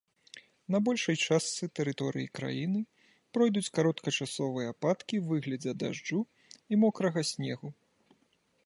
На большай частцы тэрыторыі краіны пройдуць кароткачасовыя ападкі ў выглядзе дажджу і мокрага снегу.